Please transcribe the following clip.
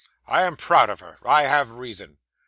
'I am proud of her. I have reason.